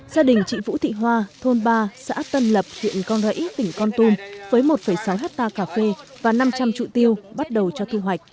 gia đình chị vũ thị hoa thôn ba xã tân lập huyện con rẫy tỉnh con tum với một sáu hectare cà phê và năm trăm linh trụ tiêu bắt đầu cho thu hoạch